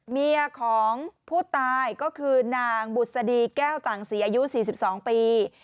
เมียของผู้ตายก็คือนางบุษฎีแก้วต่างศรีอายุ๔๒ปี